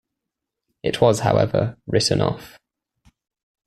It was however written off.